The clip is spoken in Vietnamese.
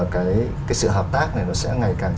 cái sự hợp tác này nó sẽ ngày càng